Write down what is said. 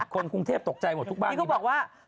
คนกรุงเทพตกใจหมดทุกบ้าน